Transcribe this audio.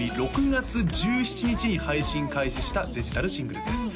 ６月１７日に配信開始したデジタルシングルです